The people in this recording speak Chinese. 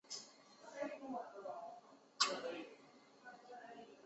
嘉靖四十四年乙丑科进士。